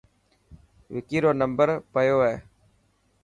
وڪي رو نمبر پيو هي.